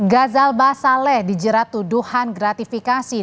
gazalba saleh dijerat tuduhan gratifikasi